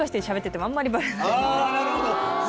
あなるほど。